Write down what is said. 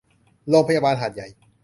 โรงพยาบาลหาดใหญ่